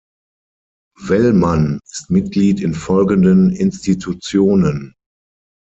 Wellmann ist Mitglied in folgenden Institutionen.